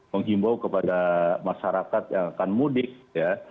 menghimbau kepada masyarakat yang akan mudik ya